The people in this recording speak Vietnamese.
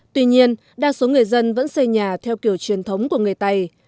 tuy nhiên đa số người dân vẫn xây nhà theo kiểu truyền thống của người tày